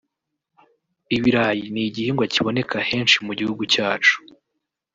Ibirayi ni igihingwa kiboneka henshi mu gihugu cyacu